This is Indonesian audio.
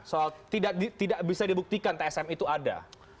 soal tidak bisa dibuktikan tsm itu ada